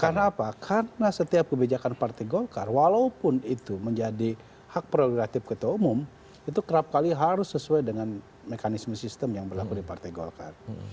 karena apa karena setiap kebijakan partai golkar walaupun itu menjadi hak prioritatif ketua umum itu kerap kali harus sesuai dengan mekanisme sistem yang berlaku di partai golkar